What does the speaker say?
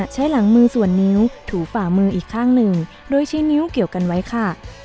ใช้หลังมือส่วนนิ้วถูฝ่ามืออีกข้างหนึ่งโดยใช้นิ้วเกี่ยวกันไว้ค่ะ